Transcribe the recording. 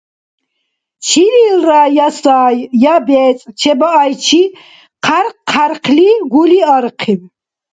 Чилилра я сай я бецӀ чебаайчи хъярхъ-хъярхъли гули архъиб.